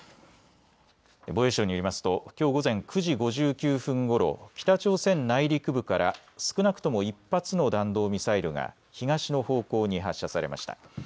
防衛省によりますときょう午前９時５９分ごろ、北朝鮮内陸部から少なくとも１発の弾道ミサイルが東の方向に発射されました。